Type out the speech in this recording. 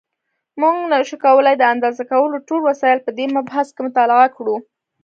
مونږ نشو کولای د اندازه کولو ټول وسایل په دې مبحث کې مطالعه کړو.